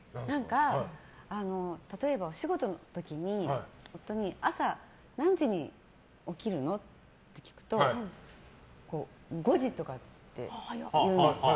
例えば、お仕事の時に夫に朝、何時に起きるのって聞くと５時とかって言うんですよ。